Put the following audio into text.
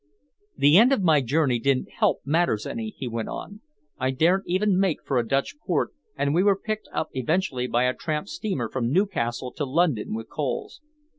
"The end of my journey didn't help matters any," he went on. "I daren't even make for a Dutch port, and we were picked up eventually by a tramp steamer from Newcastle to London with coals.